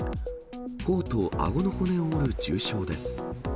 ほおとあごの骨を折る重傷です。